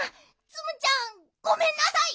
ツムちゃんごめんなさい！